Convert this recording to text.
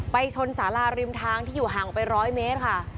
ชนสาราริมทางที่อยู่ห่างไป๑๐๐เมตรค่ะ